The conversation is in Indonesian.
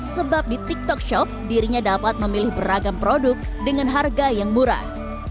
sebab di tiktok shop dirinya dapat memilih beragam produk dengan harga yang murah